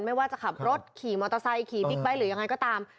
ไม่ว่าจะขับรถขี่มอเตอร์ไซค์ขี่บิ๊กไบท์หรือยังไงก็ตาม